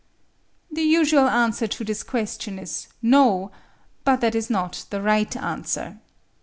The usual answer to this question is "No," but that is not the right answer.